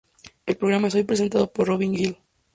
El programa es hoy presentado por Robin Gill.